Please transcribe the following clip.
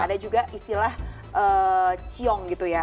ada juga istilah ciong gitu ya